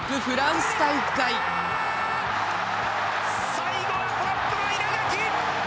最後はトップの稲垣！